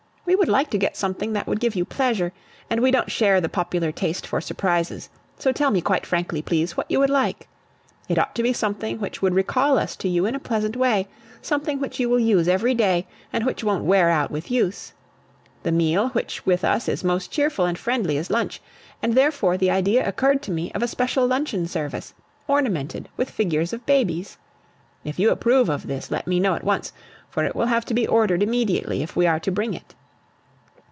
We would like to get something that would give you pleasure, and we don't share the popular taste for surprises; so tell me quite frankly, please, what you would like. It ought to be something which would recall us to you in a pleasant way, something which you will use every day, and which won't wear out with use. The meal which with us is most cheerful and friendly is lunch, and therefore the idea occurred to me of a special luncheon service, ornamented with figures of babies. If you approve of this, let me know at once; for it will have to be ordered immediately if we are to bring it.